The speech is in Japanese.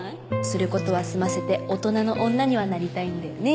することは済ませて大人の女にはなりたいんだよね。